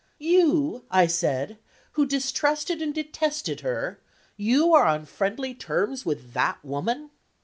"You," I said, "who distrusted and detested her you are on friendly terms with that woman?"